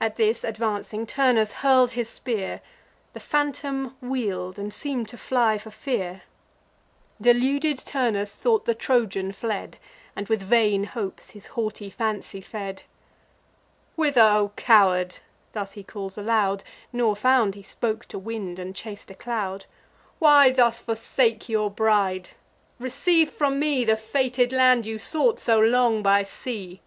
At this, advancing, Turnus hurl'd his spear: The phantom wheel'd, and seem'd to fly for fear. Deluded Turnus thought the Trojan fled, And with vain hopes his haughty fancy fed. "Whether, O coward?" (thus he calls aloud, Nor found he spoke to wind, and chas'd a cloud,) "Why thus forsake your bride! Receive from me The fated land you sought so long by sea."